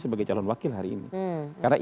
sebagai calon wakil hari ini karena